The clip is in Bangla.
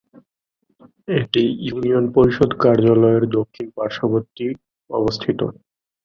এটি ইউনিয়ন পরিষদ কার্যালয়ের দক্ষিণ পার্শ্ববর্তী অবস্থিত।